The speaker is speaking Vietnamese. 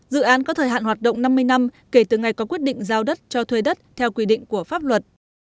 dự án có thời hạn hoạt động năm mươi năm kể từ ngày có quyết định giao đất cho thuê đất theo quy định của pháp luật